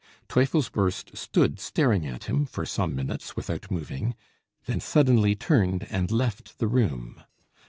Teufelsbürst stood staring at him for some minutes without moving, then suddenly turned and left the room.